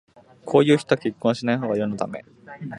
こういう人は結婚しないほうが世のため